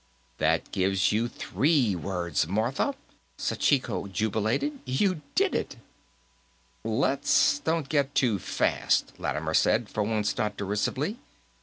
"That gives you three words, Martha!" Sachiko jubilated. "You did it." "Let's don't go too fast," Lattimer said, for once not derisively.